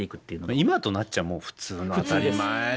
今となっちゃもう普通の当たり前ですけどね。